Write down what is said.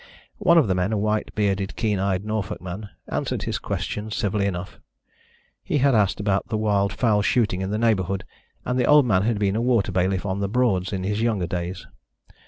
One of the men, a white bearded, keen eyed Norfolk man, answered his question civilly enough. He had asked about wild fowl shooting in the neighbourhood, and the old man had been a water bailiff on the Broads in his younger days.